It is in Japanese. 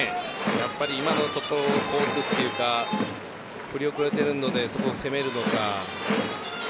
やっぱり今のところコースというか振り遅れているのでそこを攻めるのか。